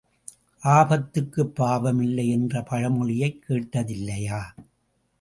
ஆபத்துக்குப்பாவம் இல்லை என்ற பழமொழியைக் கேட்டதில்லையா?